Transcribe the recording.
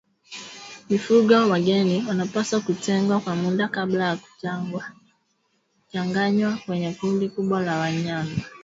Mifugo wageni wanapaswa kutengwa kwa muda kabla ya kuchanganywa kwenye kundi kubwa la wanyama